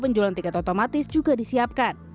penyandang tidak otomatis juga disiapkan